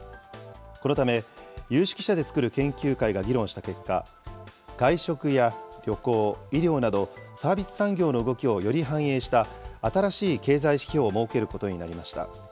このため、有識者で作る研究会が議論した結果、外食や旅行、医療など、サービス産業の動きをより反映した新しい経済指標を設けることになりました。